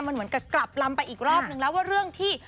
มันเหมือนกับกลับลำไปอีกรอบนึงแล้วว่าเรื่องที่